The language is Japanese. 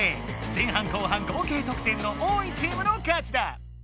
前半後半合計とく点の多いチームの勝ちだ。